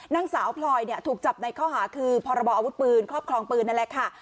นางสาวพลอยถูกจับในข้อหาคือพรบออาวุธปืนครอบครองปืนนั่นแหละค่ะ